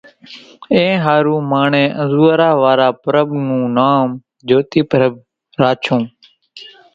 اينۿارُو ماڻۿين انزوئارا وارا پرٻ نون نام جھوتي پرٻ راڇون